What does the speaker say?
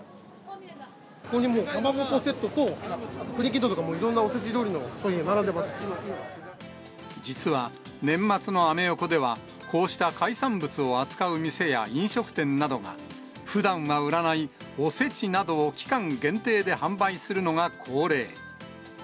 ここにかまぼこセットと、あとくりきんとんとか、もういろんなおせち料理の商品、並んでま実は年末のアメ横では、こうした海産物を扱う店や飲食店などが、ふだんは売らないおせちなどを期間限定で販売するのが恒例。